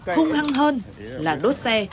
khung hăng hơn là đốt xe